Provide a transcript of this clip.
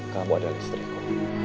kamu adalah istriku